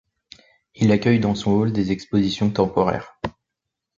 Il accueille dans son hall des expositions temporaires.